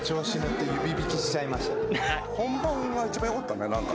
本番が一番良かった何か。